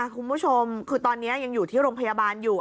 คุณผู้ชมคือตอนนี้ยังอยู่ที่โรงพยาบาลอยู่